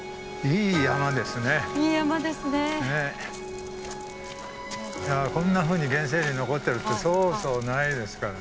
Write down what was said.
いやこんなふうに原生林残ってるってそうそうないですからね。